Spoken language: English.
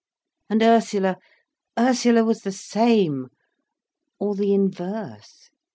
And Ursula, Ursula was the same—or the inverse.